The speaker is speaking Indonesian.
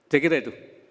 saya kira itu